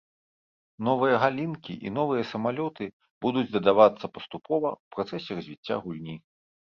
Новыя галінкі і новыя самалёты будуць дадавацца паступова, у працэсе развіцця гульні.